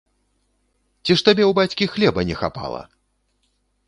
Ці ж табе ў бацькі хлеба не хапала!